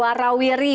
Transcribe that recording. kalau kita lihat